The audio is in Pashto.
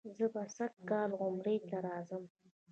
زه به سږ کال عمرې ته راځم.